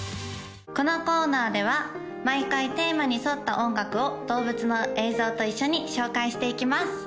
このコーナーでは毎回テーマに沿った音楽を動物の映像と一緒に紹介していきます